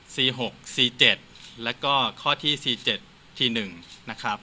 หกสี่เจ็ดแล้วก็ข้อที่สี่เจ็ดทีหนึ่งนะครับ